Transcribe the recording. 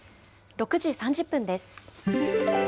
６時３０分です。